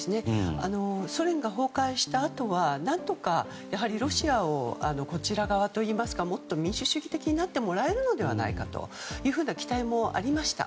ソ連が崩壊したあとは何とかロシアをこちら側といいますかもっと民主主義的になってもらえるのではないかという期待もありました。